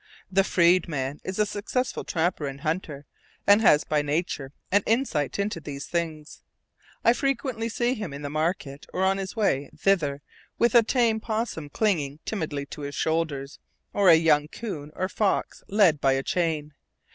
The freedman is a successful trapper and hunter, and has by nature an insight into these things. I frequently see him in market or on his way thither with a tame 'possum clinging timidly to his shoulders, or a young coon or fox led by a chain.